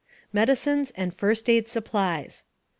MEDICINES AND FIRST AID SUPPLIES.